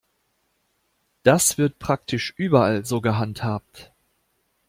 Das wird praktisch überall so gehandhabt.